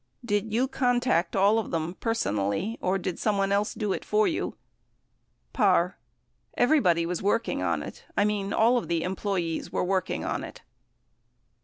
Did you contact all of them personally, or did someone else do it for you ? Parr. Everybody was working on it. I mean, all of the employees were working on it.